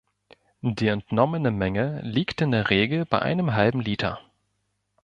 Die entnommene Menge liegt in der Regel bei einem halben Liter.